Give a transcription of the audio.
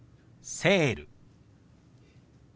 「セール」。